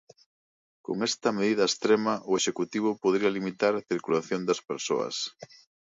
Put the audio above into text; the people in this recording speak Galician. Con esta medida extrema, o executivo podería limitar a circulación das persoas.